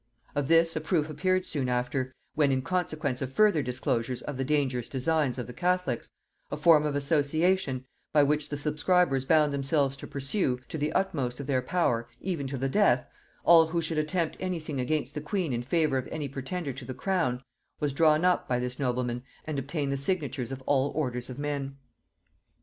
Of this a proof appeared soon after, when in consequence of further disclosures of the dangerous designs of the catholics, a form of association, by which the subscribers bound themselves to pursue, to the utmost of their power, even to the death, all who should attempt any thing against the queen in favor of any pretender to the crown, was drawn up by this nobleman and obtained the signatures of all orders of men.